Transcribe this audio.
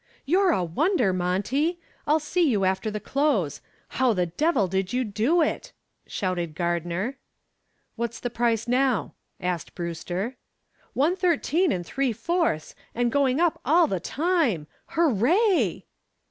"You're a wonder, Monty! I'll see you after the close. How the devil did you do it?" shouted Gardner. "What's the price now?" asked Brewster. "One thirteen and three fourths, and going up all the time. Hooray!"